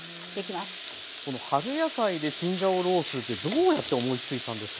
この春野菜でチンジャオロースーってどうやって思いついたんですか？